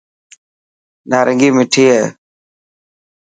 نارنگي مٺي هي.